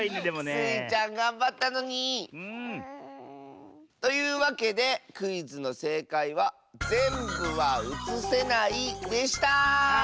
スイちゃんがんばったのに！というわけでクイズのせいかいは「ぜんぶはうつせない」でした！